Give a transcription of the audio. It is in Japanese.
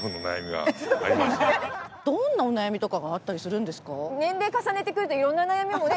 どんなお悩みとかがあったりするんですか？